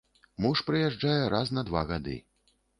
Муж прыязджае раз на два гады.